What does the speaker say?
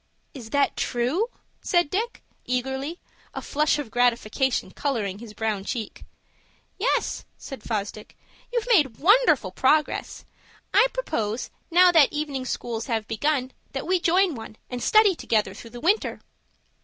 "Is that true?" said Dick, eagerly, a flush of gratification coloring his brown cheek. "Yes," said Fosdick. "You've made wonderful progress. I propose, now that evening schools have begun, that we join one, and study together through the winter."